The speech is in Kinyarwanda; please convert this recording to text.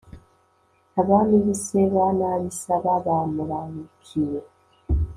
abami b'i seba, n'ab'i saba bamurabukire